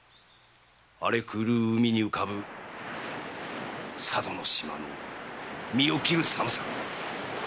荒れ狂う海に浮かぶ佐渡の島の身を切る寒さを。